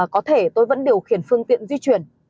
có thể tôi vẫn điều khiển phương tiện di chuyển